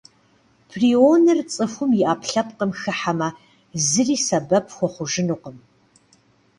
Прионыр цӏыхум и ӏэпкълъэпкъым хыхьэмэ, зыри сэбэп хуэхъужынукъым.